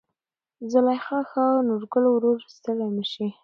زليخا: ښا نورګله وروره ستړى مشې.